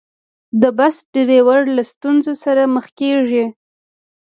د بس ډریور له ستونزې سره مخ کېږي.